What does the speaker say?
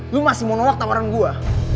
lu masih mau nolak tawaran gue